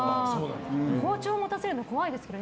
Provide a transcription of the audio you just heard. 包丁を持たせるのが怖いですね。